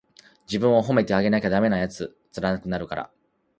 自分を褒めてあげなダメやで、つらくなるから。